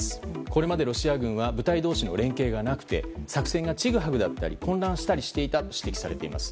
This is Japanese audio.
これまでロシア軍は部隊同士の連携がなくて作戦がちぐはぐだったり混乱したりしていたと指摘されます。